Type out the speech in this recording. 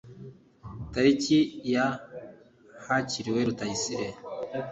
tariki ya hakiriwe rutayisire